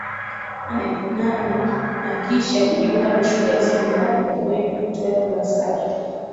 Nane na kisha kujiunga na shule ya Seminari ya Bweni iitwayo La Salle